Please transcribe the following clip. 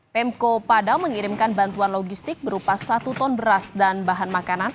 pemko padam mengirimkan bantuan logistik berupa satu ton beras dan bahan makanan